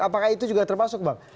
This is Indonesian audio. apakah itu juga termasuk bang